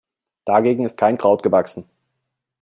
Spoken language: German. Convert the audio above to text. Dagegen ist kein Kraut gewachsen.